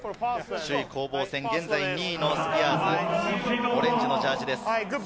現在２位のスピアーズ、オレンジのジャージーです。